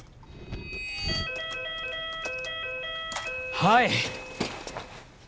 はい！